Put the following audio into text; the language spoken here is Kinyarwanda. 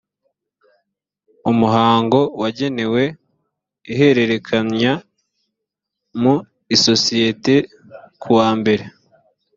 umuhango wagenewe ihererekanya mu isosiyete ku wa mbere